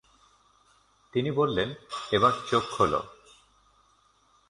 তিনি বললেন, এবার চোখ খোল ।